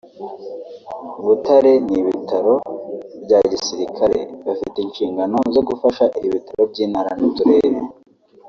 Butare n’ibitaro bya Gisirikare) bafite inshingano zo gufasha ibitaro by’intara n’uturere